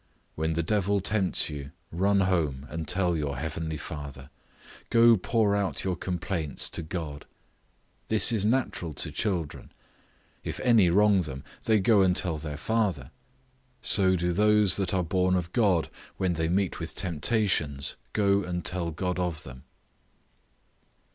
When the devil tempts you, run home and tell your heavenly Father; go pour out your complaints to God. This is natural to children; if any wrong them, they go and tell their father; so do those that are born of God, when they meet with temptations, go and tell God of them.